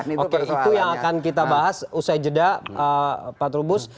oke itu yang akan kita bahas usai jeda pak trubus